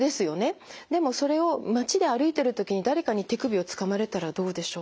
でもそれを町で歩いてるときに誰かに手首をつかまれたらどうでしょう？